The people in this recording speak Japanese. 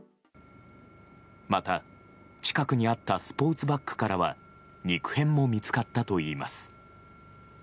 また、近くにあったスポーツバッグからは肉片も見つかったといいます。